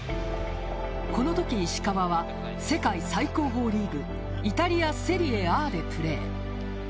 この時、石川は世界最高峰リーグイタリア・セリエＡでプレー。